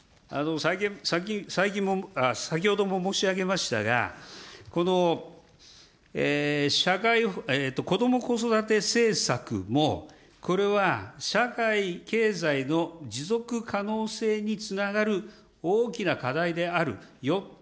先ほども申し上げましたが、こども・子育て政策も、これは社会経済の持続可能性につながる大きな課題である、よって、